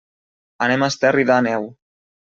Anem a Esterri d'Àneu.